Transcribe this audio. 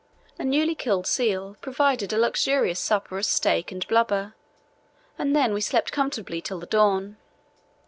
A newly killed seal provided a luxurious supper of steak and blubber, and then we slept comfortably till the dawn.